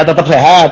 ya tetap sehat